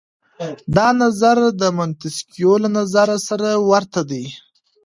دا نظر د منتسکيو له نظره سره ورته دی.